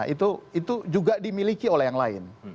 itu juga dimiliki oleh yang lain